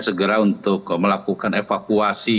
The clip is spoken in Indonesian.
segera untuk melakukan evakuasi